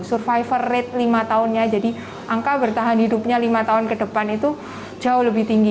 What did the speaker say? survivor rate lima tahunnya jadi angka bertahan hidupnya lima tahun ke depan itu jauh lebih tinggi